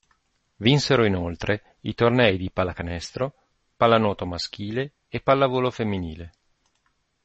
Vinsero inoltre i tornei di pallacanestro, pallanuoto maschile e pallavolo femminile.